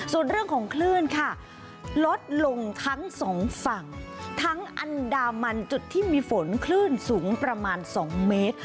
ส่วนเรื่องของคลื่นค่ะลดลงทั้งสองฝั่งทั้งอันดามันจุดที่มีฝนคลื่นสูงประมาณ๒เมตร